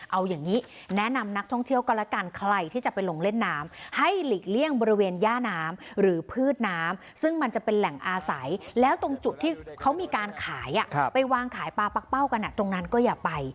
เอาอย่างนี้แนะนำนักท่องเที่ยวก็แล้วกันใครที่จะไปลงเล่นน้ำให้หลีกเลี่ยงบริเวณย่าน้ำหรือพืชน้ำซึ่งมันจะเป็นแหล่งอาศัยแล้วตรงจุดที่เขามีการขายไปวางขายปลาปั๊กเป้ากันตรงนั้นก็อย่าไป